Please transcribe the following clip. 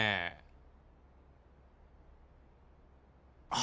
あ。